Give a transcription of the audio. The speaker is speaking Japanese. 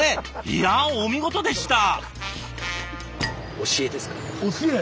いやお見事でした。